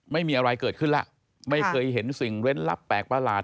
ไม่มีอะไรเกิดขึ้นแล้วไม่เคยเห็นสิ่งเล่นลับแปลกประหลาด